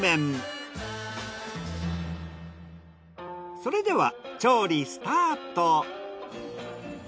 それでは調理スタート。